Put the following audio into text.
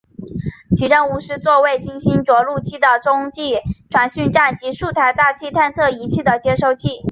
其任务是做为金星着陆器的中继传讯站及数台大气探测仪器的接收器。